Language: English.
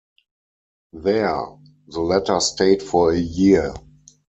There the letter stayed for a year.